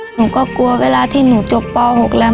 หนูก็กลัวเวลาที่หนูจบป๖แล้ว